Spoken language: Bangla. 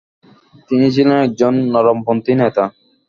তিনি ছিলেন একজন নরমপন্থী নেতা।